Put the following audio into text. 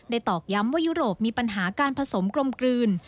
ตอกย้ำว่ายุโรปมีปัญหาการผสมกลมกลืน